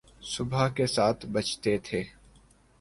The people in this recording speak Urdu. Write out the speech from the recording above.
صبح کے سات بجتے تھے۔